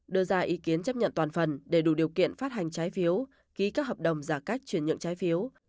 đưa ra ý kiến chấp nhận toàn phần để đủ điều kiện phát hành trái phiếu ký các hợp đồng giả cách chuyển nhượng trái phiếu